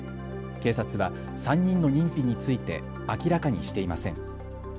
警察は３人の認否について明らかにしていません。